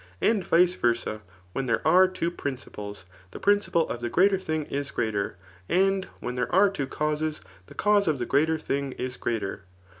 And vice versa, when there are two principles, the prmciple of the greater thing is greater ; and when there are two tauses, the cause of the greater thing is greater.